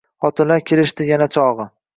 Xotinlar kelishdi yana chog‘i.